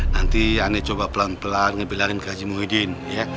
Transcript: nanti andi coba pelan pelan ngebilangin ke haji muhyiddin ya